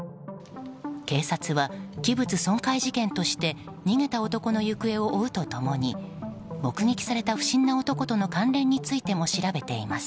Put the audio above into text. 警察は器物損壊事件として逃げた男の行方を追うと共に目撃された不審な男との関連についても調べています。